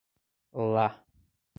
Lá